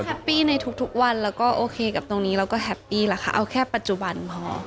แฮปปี้ในทุกวันแล้วก็โอเคกับตรงนี้เราก็แฮปปี้แหละค่ะเอาแค่ปัจจุบันพอ